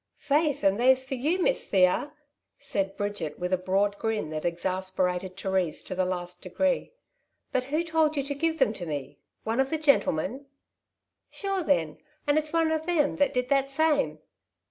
^^ Faith, and they's fur you. Miss Thea !" said Bridget, with a broad grin that exasperated Theresa to the last degree. '' But who told you to give them to me— one of the gentlemen ?^''^ Sure then, and it^s one of them that did that same.